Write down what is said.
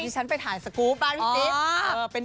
ดิฉันไปถ่ายสกุปบ้านพี่จิป